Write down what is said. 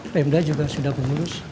remda juga sudah berurus